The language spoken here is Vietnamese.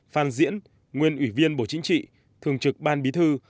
phan diễn nguyên ủy viên bộ chính trị thường trực ban bí thư